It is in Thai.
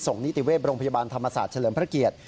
นิติเวศโรงพยาบาลธรรมศาสตร์เฉลิมพระเกียรติ